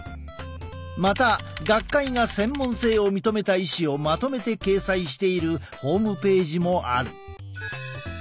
また学会が専門性を認めた医師をまとめて掲載しているホームページもある。